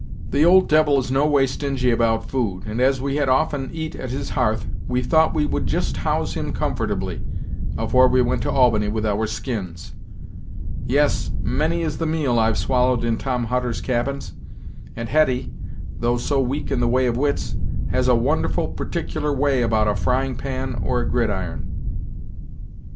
The old devil is no way stingy about food, and as we had often eat at his hearth, we thought we would just house him comfortably, afore we went to Albany with our skins. Yes, many is the meal I've swallowed in Tom Hutter's cabins; and Hetty, though so weak in the way of wits, has a wonderful particular way about a frying pan or a gridiron!